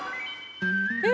え！